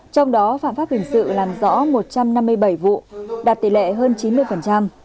trong đó phạm pháp hình sự làm rõ một trăm năm mươi bảy vụ đạt tỷ lệ hơn chín mươi